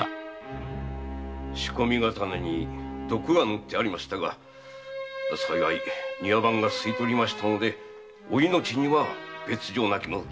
仕込み刀に毒が塗ってありましたが幸い庭番が吸い取りましたのでお命には別状なきものと。